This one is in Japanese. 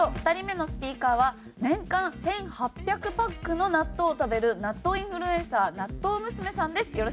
２人目のスピーカーは年間１８００パックの納豆を食べる納豆インフルエンサーなっとう娘さんです。